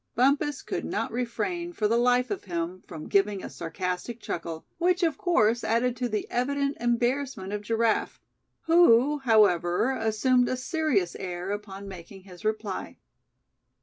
Bumpus could not refrain for the life of him from giving a sarcastic chuckle, which of course added to the evident embarrassment of Giraffe; who, however assumed a serious air upon making his reply.